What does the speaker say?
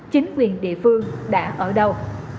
chính quyền địa phương đã ở đâu